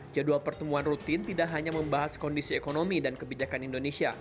jadwal pertemuan rutin tidak hanya membahas kondisi ekonomi dan kebijakan indonesia